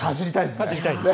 かじりたいです。